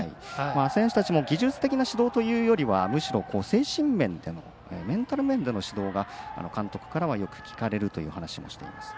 選手たちも技術的な指導というよりもメンタル面での指導が監督からはよく聞かれるという話もしています。